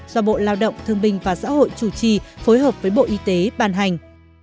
do bộ lao động thương bình và xã hội chủ trì phối hợp với bộ y tế ban hành